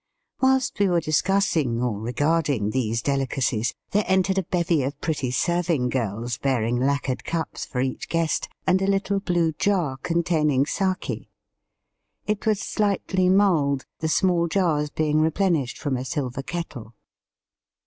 Whilst we were discussing or regarding these deUcacies, there entered a bevy of pretty serving girls bearing lacquered . cups for each guest and a Uttle blue jar con taining sake. It was slightly mulled, the small jars being replenished from a silver kettle.